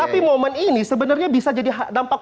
tapi momen ini sebenarnya bisa jadi dampak